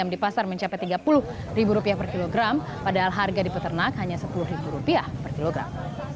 ayam di pasar mencapai tiga puluh ribu rupiah per kilogram padahal harga di peternak hanya sepuluh ribu rupiah per kilogram